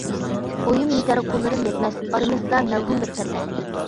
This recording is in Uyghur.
ئويۇم يىتەر قوللىرىم يەتمەس، ئارىمىزدا مەۋھۇم بىر پەردە.